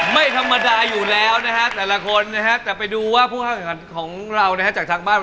ไม่ค่ามอดรายอยู่แล้วนะฮะดังนั้นคนนะฮะแต่ไปดูเราคะ